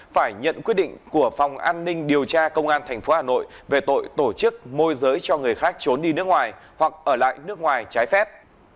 phải nhận quyết định của phòng an ninh điều tra công an tp hà nội về tội tổ chức môi giới cho người khác trốn đi nước ngoài hoặc ở lại nước ngoài trái phép